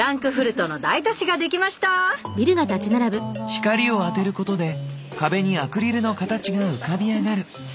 光を当てることで壁にアクリルの形が浮かび上がる。